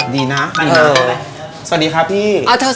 สวัสดีค่ะพี่